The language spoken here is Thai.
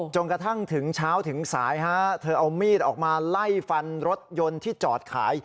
กระทั่งถึงเช้าถึงสายฮะเธอเอามีดออกมาไล่ฟันรถยนต์ที่จอดขาย